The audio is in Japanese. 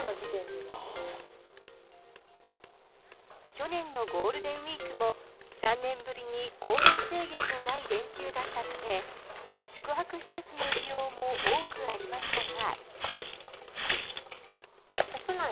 去年のゴールデンウィークも３年ぶりに行動制限のない連休だったため宿泊施設の利用も多くありましたが。